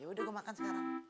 yaudah gua makan sekarang